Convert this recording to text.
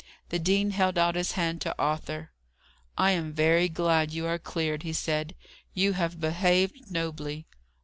The dean held out his hand to Arthur. "I am very glad you are cleared," he said. "You have behaved nobly."